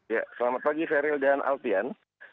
ya selamat pagi feryl dan alpian